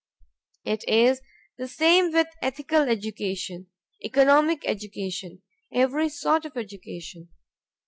It is the same with ethical education, economic education, every sort of education.